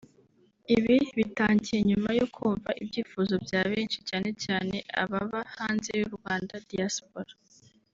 Ibi bitangiye nyuma yo nkumva ibyifuzo bya benshi cyane cyane ababa hanze y'u Rwanda (Diaspora)